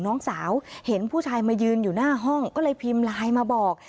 น้องสาวเห็นผู้ชายมายืนอยู่หน้าห้องก็เลยพิมพ์ไลน์มาบอก